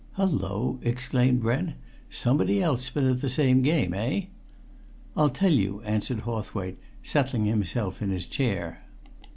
"Hello!" exclaimed Brent. "Somebody else been at the same game, eh?" "I'll tell you," answered Hawthwaite, settling himself in his chair.